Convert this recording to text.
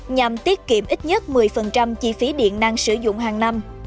nhằm tiết kiệm ít nhất một mươi chi phí điện năng sử dụng hàng năm